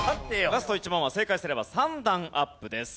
ラスト１問は正解すれば３段アップです。